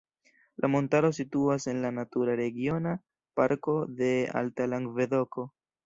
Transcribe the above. La montaro situas en la Natura Regiona Parko de Alta Langvedoko.